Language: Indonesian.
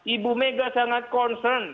ibu mega sangat concern